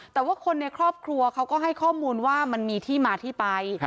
แต่ว่าคนในครอบครัวเขาก็ให้ข้อมูลว่ามันมีที่มาที่ไป